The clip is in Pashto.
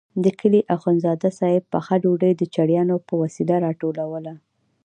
د کلي اخندزاده صاحب پخه ډوډۍ د چړیانو په وسیله راټولوله.